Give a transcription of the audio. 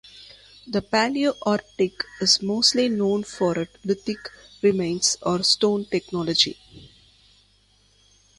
The Paleo-Arctic is mostly known for it lithic remains or stone technology.